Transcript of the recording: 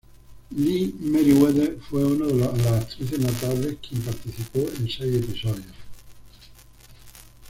Lee Meriwether fue una de las actrices notables, quien participó en seis episodios.